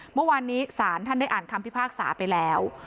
เมื่อวานนี้ศาลท่านได้อ่านคำพิพากษาไปแล้ว